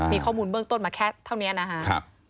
มีข้อมูลเบื้องต้นมาแค่เท่านี้นะครับ